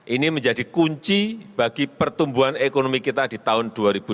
ini menjadi kunci bagi pertumbuhan ekonomi kita di tahun dua ribu dua puluh